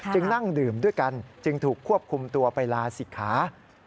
นั่งดื่มด้วยกันจึงถูกควบคุมตัวไปลาศิกขา